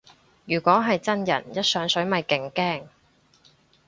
如果係真人一上水咪勁驚